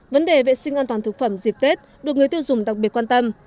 vấn đề vệ sinh an toàn thực phẩm dịp tết được người tiêu dùng đặc biệt quan tâm